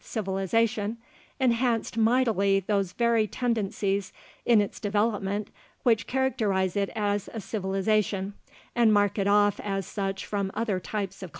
civilization, enhanced mightily those very tendencies in its development which characterize it as a civilization and mark it off as such from other types of culture."